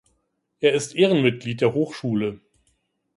Er ist Ehrenmitglied der Hochschule.